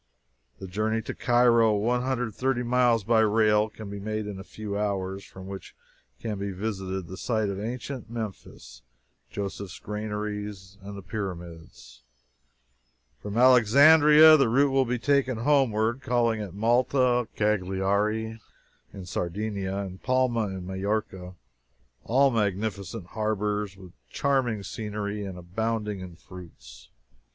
The journey to Cairo, one hundred and thirty miles by rail, can be made in a few hours, and from which can be visited the site of ancient Memphis, Joseph's Granaries, and the Pyramids. From Alexandria the route will be taken homeward, calling at Malta, Cagliari (in Sardinia), and Palma (in Majorca), all magnificent harbors, with charming scenery, and abounding in fruits.